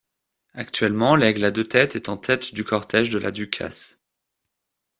Actuellement l'Aigle à deux têtes est en tête du cortège de la Ducasse.